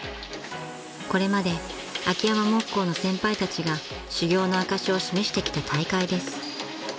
［これまで秋山木工の先輩たちが修業の証しを示してきた大会です］